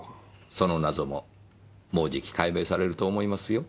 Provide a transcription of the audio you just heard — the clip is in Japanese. その謎ももうじき解明されると思いますよ。